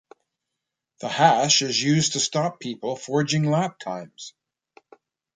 The hash is used to stop people forging lap times.